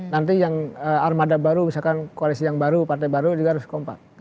nanti yang armada baru misalkan koalisi yang baru partai baru juga harus kompak